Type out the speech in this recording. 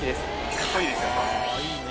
かっこいいですよね。